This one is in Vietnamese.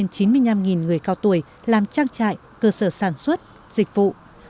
trên chín mươi năm người cao tuổi làm trang trại cơ sở sản xuất dịch vụ